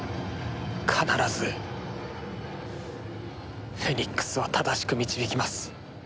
必ずフェニックスを正しく導きます。